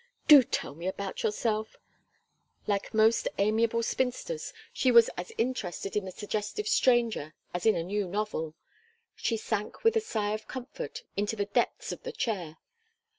"Do tell me about yourself!" Like most amiable spinsters, she was as interested in the suggestive stranger as in a new novel. She sank with a sigh of comfort into the depths of the chair.